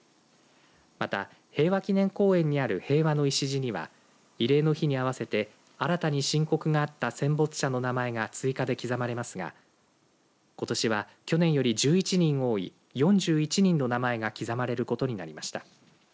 また、平和祈念公園にある平和の礎には慰霊の日に合わせて新たに申告があった戦没者の名前が追加で刻まれますがことしは、去年より１１人多い４１人の名前が刻まれることになりました。